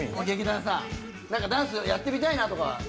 劇団さんなんかダンスやってみたいなとか。